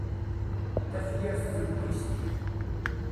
Tafyirt tuddist.